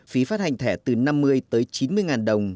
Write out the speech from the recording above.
phí phát hành thẻ từ năm mươi tới chín mươi ngàn đồng